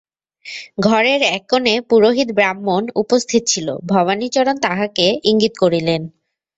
ঘরের এক কোণে পুরোহিত ব্রাহ্মণ উপস্থিত ছিল, ভবানীচরণ তাহাকে ইঙ্গিত করিলেন।